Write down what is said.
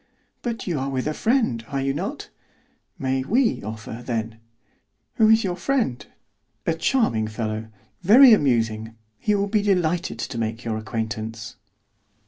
"But you are with a friend, are you not?" "May we offer, then?" "Who is your friend?" "A charming fellow, very amusing. He will be delighted to make your acquaintance."